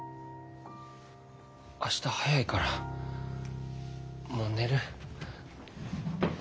明日早いからもう寝る。